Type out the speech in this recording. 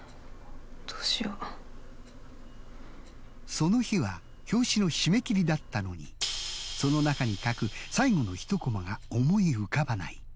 その日は表紙の締め切りだったのにその中に書く最後の１コマが思い浮かばない。